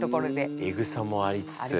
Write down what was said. エグさもありつつ。